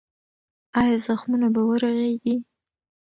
ایا زخمونه به ورغېږي؟